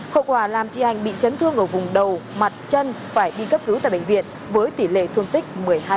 hậu quả làm chị anh bị chấn thương ở vùng đầu mặt chân phải đi cấp cứu tại bệnh viện với tỷ lệ thương tích một mươi hai